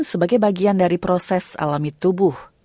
sebagai bagian dari proses alami tubuh